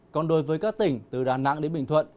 còn đối với các tỉnh từ đà nẵng đến bình thuận